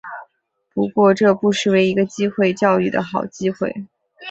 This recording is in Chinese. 不过这不失为一个机会教育的好机会